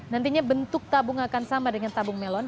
nantinya bentuk tabung akan sama dengan tabung melon